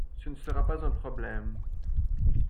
Ce ne sera pas un problème.